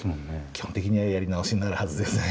基本的にはやり直しになるはずですね。